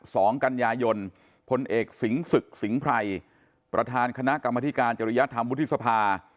สองกันยายนพลเอกสิงศึกสิงห์ไพรประธานคณะกรรมธิการจริยธรรมวุฒิสภา